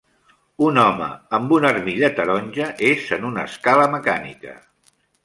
Un home amb una armilla taronja és en una escala mecànica.